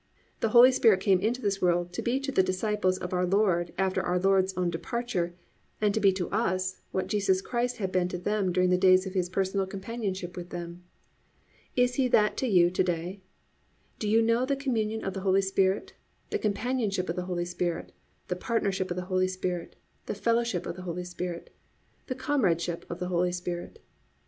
The Holy Spirit came into this world to be to the disciples of our Lord after our Lord's own departure, and to be to us, what Jesus Christ had been to them during the days of His personal companionship with them. Is He that to you to day? Do you know the "communion of the Holy Spirit?" the companionship of the Holy Spirit, the partnership of the Holy Spirit, the fellowship of the Holy Spirit, the comradeship of the Holy Spirit?